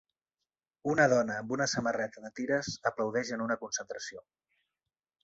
Una dona amb una samarreta de tires aplaudeix en una concentració.